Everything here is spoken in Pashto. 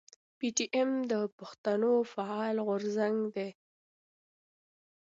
پي ټي ايم د پښتنو فعال غورځنګ دی.